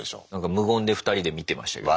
無言で２人で見てましたけど。